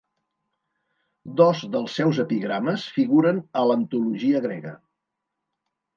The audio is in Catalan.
Dos dels seus epigrames figuren a l'antologia grega.